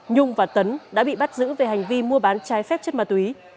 nhung và tấn đã bị bắt giữ về hành vi mua bán trái phép chất ma túy